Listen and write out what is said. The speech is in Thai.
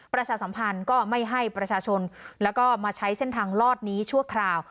ประชาสัมพันธ์ก็ไม่ให้ประชาชนแล้วก็มาใช้เส้นทางลอดนี้ชั่วคราว